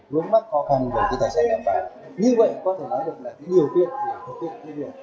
vì rưỡng mắt khó khăn của các doanh nghiệp đảm bảo như vậy có thể nói được là nhiều việc thực hiện